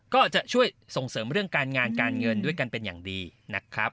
ก็จะช่วยส่งเสริมเรื่องการงานการเงินด้วยกันเป็นอย่างดีนะครับ